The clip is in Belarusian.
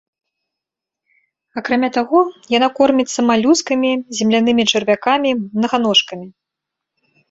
Акрамя таго, яна корміцца малюскамі, землянымі чарвякамі, мнаганожкамі.